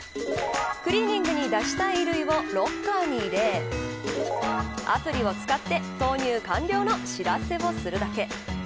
クリーニングに出したい衣類をロッカーに入れアプリを使って投入完了の知らせをするだけ。